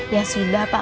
ya sudah pak